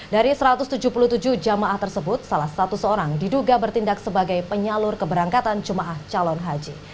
dari satu ratus tujuh puluh tujuh jamaah tersebut salah satu seorang diduga bertindak sebagai penyalur keberangkatan jemaah calon haji